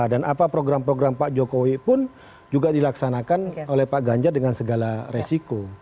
dan apa program program pak jokowi pun juga dilaksanakan oleh pak ganjar dengan segala resiko